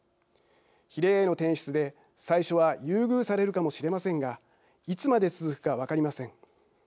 比例への転出で最初は優遇されるかもしれませんがいつまで続くか分かりません。